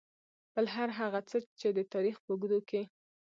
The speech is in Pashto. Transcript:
بل هر هغه څه چې د تاريخ په اوږدو کې .